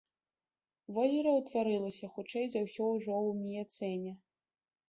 Возера ўтварылася хутчэй за ўсё ўжо ў міяцэне.